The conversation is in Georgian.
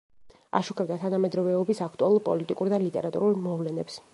აშუქებდა თანამედროვეობის აქტუალურ პოლიტიკურ და ლიტერატურულ მოვლენებს.